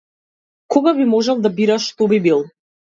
Кога би можел да бираш, што би бил?